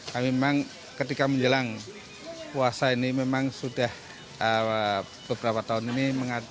kami memang ketika menjelang puasa ini memang sudah beberapa tahun ini